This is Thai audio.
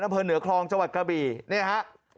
น้ำเพลินเหนือคลองจังหวัดกะบีนี่ฮะ